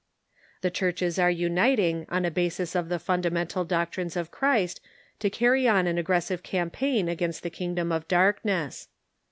The church es are uniting on a basis of the fundamental doctrines of Christ to carry on an aggressive campaign against the kingdom of darkness.